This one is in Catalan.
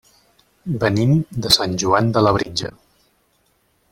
Venim de Sant Joan de Labritja.